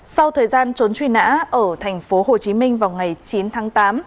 sau thời gian trốn truy nã ở thành phố hồ chí minh vào ngày chín tháng tám